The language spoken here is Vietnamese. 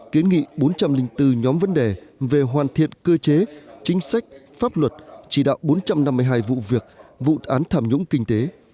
kiến nghị bốn trăm linh bốn nhóm vấn đề về hoàn thiện cơ chế chính sách pháp luật chỉ đạo bốn trăm năm mươi hai vụ việc vụ án tham nhũng kinh tế